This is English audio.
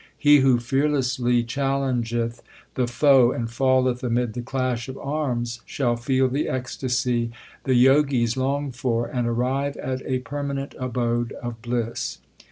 He who fearlessly challengeth the foe and falleth amid the clash of arms, shall feel the ecstasy the Jogis long for, and arrive at a permanent abode of bliss.